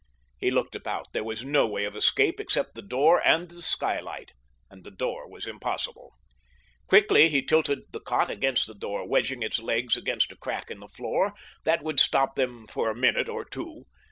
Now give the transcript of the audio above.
He looked about. There was no way of escape except the door and the skylight, and the door was impossible. Quickly he tilted the cot against the door, wedging its legs against a crack in the floor—that would stop them for a minute or two.